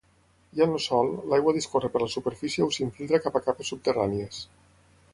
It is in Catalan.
Ja en el sòl, l'aigua discorre per la superfície o s'infiltra cap a capes subterrànies.